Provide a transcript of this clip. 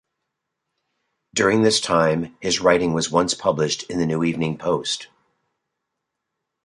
During this time, his writing was once published in "The New Evening Post".